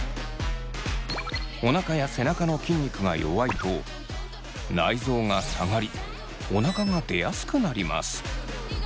おなかや背中の筋肉が弱いと内臓が下がりおなかが出やすくなります。